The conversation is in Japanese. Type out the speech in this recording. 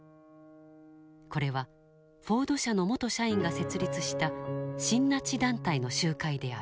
これはフォード社の元社員が設立した親ナチ団体の集会である。